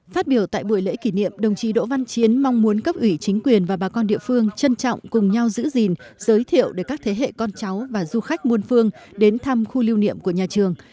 phát biểu tại buổi lễ kỷ niệm đồng chí đỗ văn chiến mong muốn cấp ủy chính quyền và bà con địa phương trân trọng cùng nhau giữ gìn giới thiệu để các thế hệ con cháu và du khách muôn phương đến thăm khu lưu niệm của nhà trường